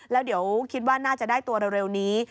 แล้วเดี๋ยวคิดว่าน่าจะได้ตัวเร็วนี้